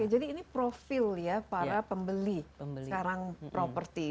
jadi ini profil ya para pembeli sekarang property